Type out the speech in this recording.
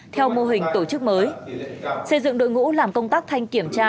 theo mô hình tổ chức mới xây dựng đội ngũ làm công tác thanh kiểm tra